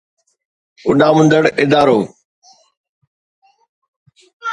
اڏامندڙ ادارو